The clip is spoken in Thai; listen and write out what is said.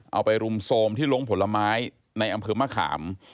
เอาไปรุมโทรมที่ลงผลไม้ในอำเภอมะขาม